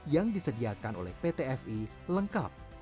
yang disediakan oleh pt fi lengkap